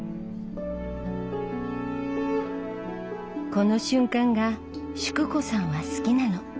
この瞬間が淑子さんは好きなの。